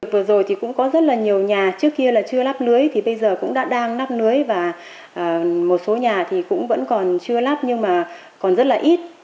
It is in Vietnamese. vừa rồi thì cũng có rất là nhiều nhà trước kia là chưa lắp lưới thì bây giờ cũng đã đang nắp lưới và một số nhà thì cũng vẫn còn chưa lắp nhưng mà còn rất là ít